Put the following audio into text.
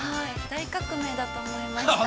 大革命だと思いました。